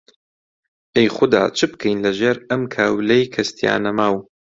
ئەی خودا چ بکەین لەژێر ئەم کاولەی کەس تیا نەماو؟!